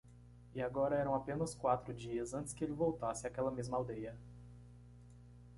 E agora eram apenas quatro dias antes que ele voltasse àquela mesma aldeia.